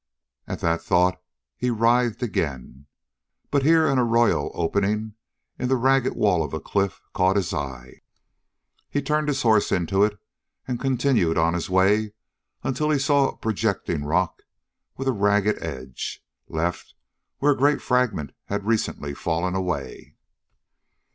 At that thought he writhed again. But here an arroyo opening in the ragged wall of a cliff caught his eye. He turned his horse into it and continued on his way until he saw a projecting rock with a ragged edge, left where a great fragment had recently fallen away.